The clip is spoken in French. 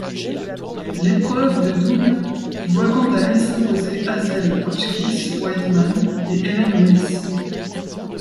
L'épreuve de double voit quant à elle s'imposer Hazel Hotchkiss Wightman et Helen Wills.